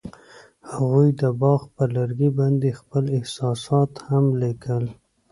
هغوی د باغ پر لرګي باندې خپل احساسات هم لیکل.